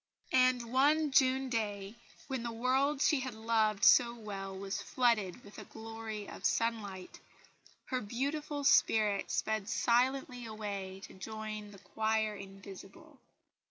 And one June day, when the world she had loved so well was flooded with a glory of sunlight, her beautiful spirit sped silently away to join the "choir invisible."